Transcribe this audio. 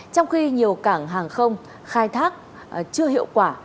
trong khi nhiều cảng hàng không khai thác chưa hiệu quả